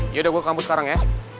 yaudah gue ke kampus sekarang ya